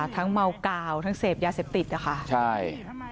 เมากาวทั้งเสพยาเสพติดนะคะใช่